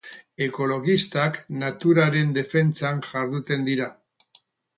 Ekologistak naturaren defentsan jarduten dira.